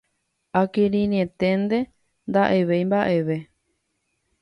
Akirirĩeténte, nda'evéi mba'eve